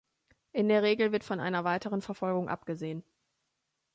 In der Regel wird von einer weiteren Verfolgung abgesehen.